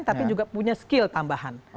tapi juga punya skill tambahan